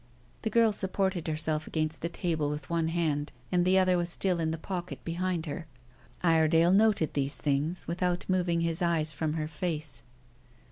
The girl supported herself against the table with one hand, and the other was still in the pocket behind her. Iredale noted these things without moving his eyes from her face.